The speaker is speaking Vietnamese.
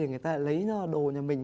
người ta lại lấy đồ nhà mình